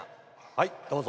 はいどうぞ。